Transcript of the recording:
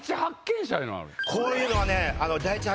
こういうのはね。